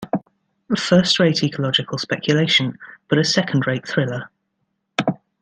First-rate ecological speculation, but a second-rate thriller.